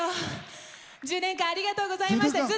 １０年間ありがとうございました。